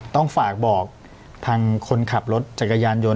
ต้องฝากบอกทางคนขับรถจักรยานยนต